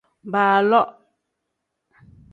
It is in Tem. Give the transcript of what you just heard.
Baaloo.